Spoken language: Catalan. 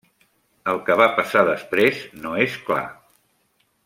El que va passar després no és clar.